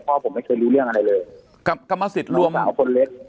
พ่อผมไม่เคยรู้เรื่องอะไรเลยกับกรรมสิทธิ์รวมเขาคนเล็ก